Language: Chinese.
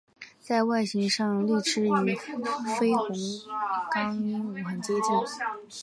在外形上绿翅与绯红金刚鹦鹉很接近。